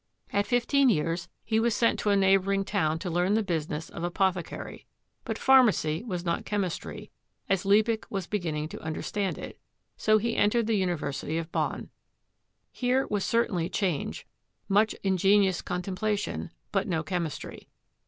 At fif teen years he was sent to a neighboring town to learn the business of apothecary. But pharmacy was not chem istry, as Liebig was beginning to understand it, so he entered the University of Bonn. Here was certainly change, much "ingenious contemplation," but no chemis try.